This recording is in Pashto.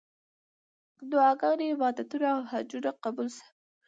دعاګانې، عبادتونه او حجونه قبول سه.